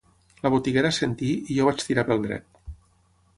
La botiguera assentí i jo vaig tirar pel dret.